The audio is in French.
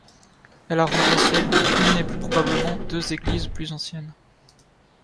Elle a remplacé une et plus probablement deux églises plus anciennes.